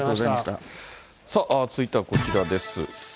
続いてはこちらです。